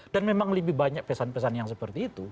dan memang lebih banyak pesan pesan yang seperti itu